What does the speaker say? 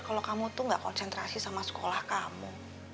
kalau kamu tuh gak konsentrasi sama sekolah kamu